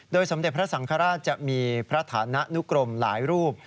สมเด็จพระสังฆราชจะมีพระฐานะนุกรมหลายรูป